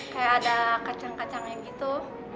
kayak ada kacang kacangnya gitu